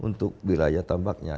untuk wilayah tambaknya